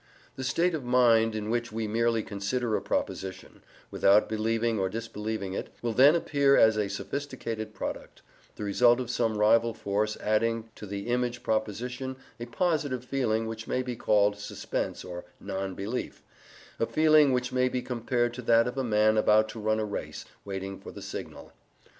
The state of mind in which we merely consider a proposition, without believing or disbelieving it, will then appear as a sophisticated product, the result of some rival force adding to the image proposition a positive feeling which may be called suspense or non belief a feeling which may be compared to that of a man about to run a race waiting for the signal.